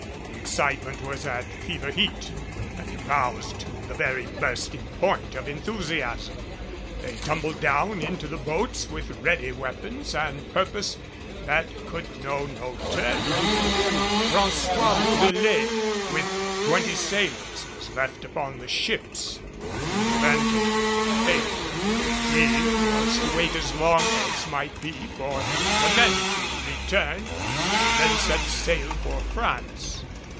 The excitement was at fever heat; and aroused to the very bursting point of enthusiasm, they tumbled down into the boats with ready weapons and purpose that could know no turning. François Bourdelais, with twenty sailors, was left upon the ships. In the event of failure he was to wait as long as might be for the men to return and then set sail for France.